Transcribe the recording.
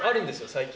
最近。